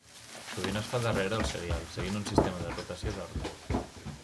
Sovint es fa darrere el cereal, seguint un sistema de rotació d'horta.